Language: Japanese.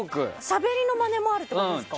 しゃべりのマネもあるってことですか。